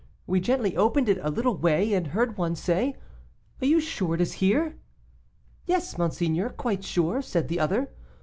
We gently opened it a little way, and heard one say, 'Are you sure it is here?' 'Yes, monseigneur, quite sure,' said the other.